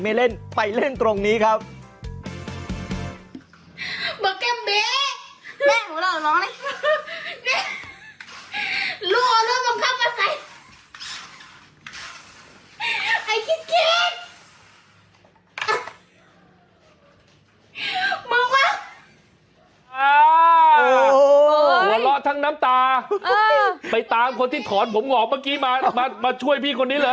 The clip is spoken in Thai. หอดรอทั้งน้ำตาไปตามคนที่ถอนผมออกเมื่อกี้มาช่วยพี่คนนี้เลย